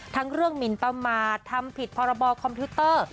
ทั้งเรื่องหมินประมาททำผิดพรบคอมพิวเตอร์